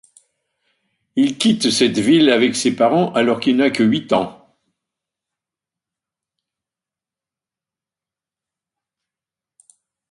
Il quitte cette ville avec ses parents alors qu’il n’a que huit ans.